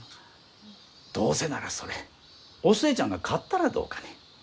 どうせならそれお寿恵ちゃんが買ったらどうかね？